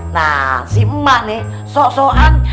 nah si emak nih sok sokan